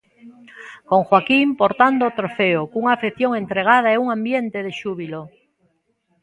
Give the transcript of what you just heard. Con Joaquín portando o trofeo cunha afección entregada e un ambiente de xúbilo.